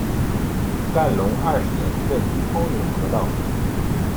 干隆二十年任通永河道。